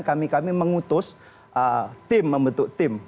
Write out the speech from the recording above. kami kami mengutus tim membentuk tim